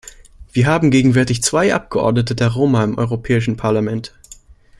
Wir haben gegenwärtig zwei Abgeordnete der Roma im Europäischen Parlament.